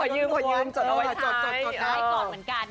ไว้กอดเหมือนกัน